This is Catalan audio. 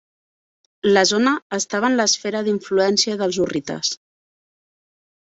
La zona estava en l'esfera d'influència dels hurrites.